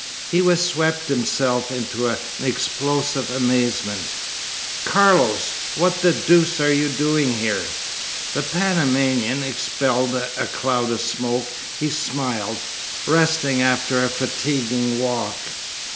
He was swept himself into an explosive amazement: "Carlos! What the deuce are you doing here?" The Panamanian expelled a cloud of smoke. He smiled. "Resting after a fatiguing walk."